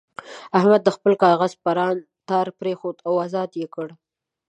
احمد د خپل کاغذ پران تار پرېښود او ازاد یې کړ.